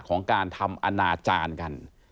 ของการทำอนาจารย์กัน